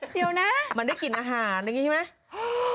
เดี๋ยวนะมันได้กลิ่นอาหารอะไรอย่างนี้ใช่ไหม